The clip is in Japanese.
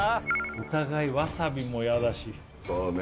お互いわさびも嫌だしそうね